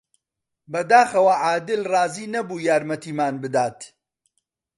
بەداخەوە، عادل ڕازی نەبوو یارمەتیمان بدات.